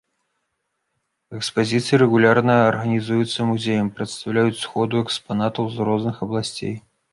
Экспазіцыі, рэгулярна арганізуюцца музеем, прадстаўляюць сходу экспанатаў з розных абласцей.